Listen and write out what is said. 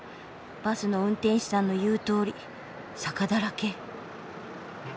バスの運転手さんの言うとおり坂だらけ。